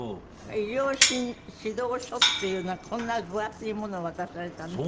医療指導書っていうようなこんな分厚いものを渡されたんですって？